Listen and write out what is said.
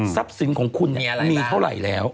ทรัพย์สินของคุณมีเท่าไหร่แล้ว